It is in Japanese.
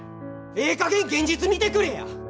ええかげん現実見てくれや！